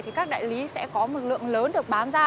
thì các đại lý sẽ có một lượng lớn được bán ra